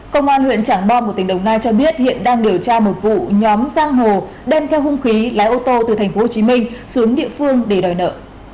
công an huyện trảng bom của tỉnh đồng nai cho biết hiện đang điều tra một vụ nhóm giang hồ đem theo hung khí lái ô tô từ tp hcm xuống địa phương để đòi nợ